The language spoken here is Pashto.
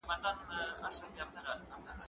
دا تمرين له هغه ګټور دي!.